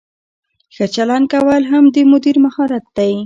ښه چلند کول هم د مدیر مهارت دی.